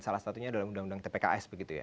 salah satunya adalah undang undang tpks